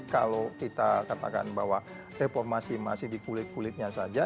kalau kita katakan bahwa reformasi masih di kulit kulitnya saja